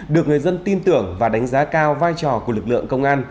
được người dân tin tưởng và đánh giá cao vai trò của lực lượng công an